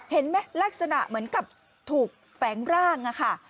เห็นไหมลักษณะเหมือนกับถูกแฝงร่างอะค่ะ